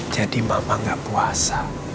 jadi mama gak puasa